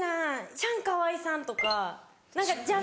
チャンカワイさんとか何か若干。